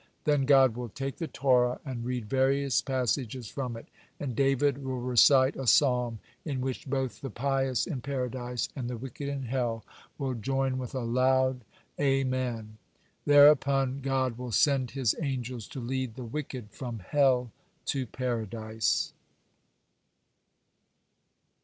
'" (129) Then God will take the Torah and read various passages from it, and David will recite a psalm in which both the pious in Paradise and the wicked in hell will join with a loud Amen. Thereupon God will send his angels to lead the wicked from hell to Paradise.